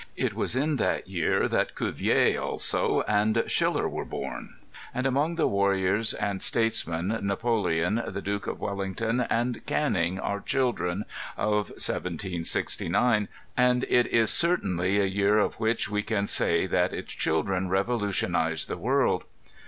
It was ia that year that Cuvier also and Schiller were born ; and among the warriors and statesmen, Napoleon, the Duke of Wellington and Canning are children of 1769, and it is oertainly a year of which we can say that its children revolutionized the world.